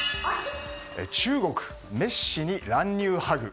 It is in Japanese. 中国、メッシに乱入ハグ。